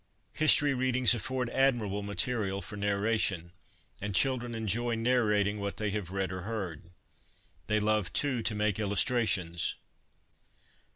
History readings afford admirable material for narration, and children enjoy narrating what they have read or heard. They love, too, to make illustrations.